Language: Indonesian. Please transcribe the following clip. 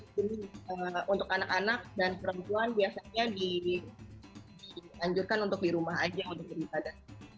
jadi untuk anak anak dan perempuan biasanya dianjurkan untuk di rumah aja untuk beribadah